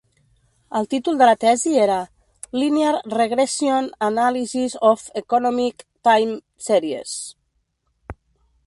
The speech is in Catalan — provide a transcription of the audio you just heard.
El títol de la tesi era "Linear regression analysis of economic time series".